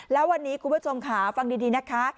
แล้ววันนี้คุณผู้ชมค่ะฟังดีนะคะ